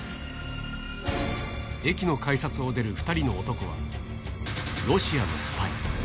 駅の改札を出る２人の男は、ロシアのスパイ。